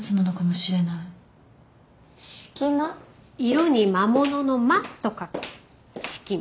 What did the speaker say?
色に魔物の魔と書く。